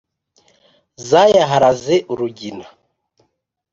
Zayaharaze urugina